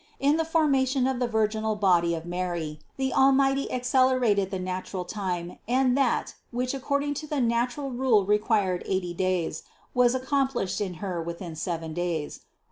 In the formation of the virginal body of Mary the Almighty accelerated the natural time and that, which according to the natural rule required eighty days, was accomplished in Her within seven days.